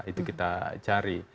itu kita cari